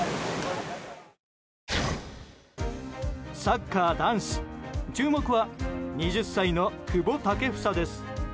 サッカー男子注目は２０歳の久保建英です。